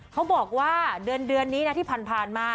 เขาบอกว่าเดือนนี้นะที่ผ่านมา